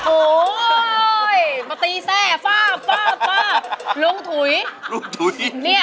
โอ้ยมาตีแทรกฟาบฟาบฟาบลุงถุยลุงถุยเนี้ย